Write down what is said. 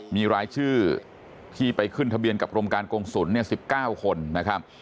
มีรายชื่อที่ไปขึ้นทะเบียนกับกรมการกงศุล๑๙คนนะครับ